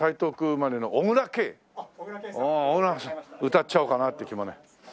歌っちゃおうかなっていう気もね。